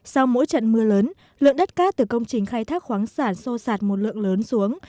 sau mỗi trận mưa lớn lượng đất cát từ công trình khai thác khoáng sản xô sạt một lượng lớn xuống